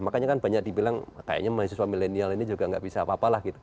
makanya kan banyak dibilang kayaknya mahasiswa milenial ini juga nggak bisa apa apa lah gitu